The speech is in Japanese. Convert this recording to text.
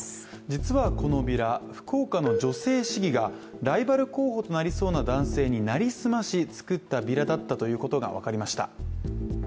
実はこのビラ、福岡の女性市議がライバル候補となりそうな男性に成り済まし作ったビラだったということが分かりました。